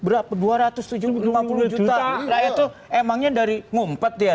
rakyat itu emangnya dari ngumpet ya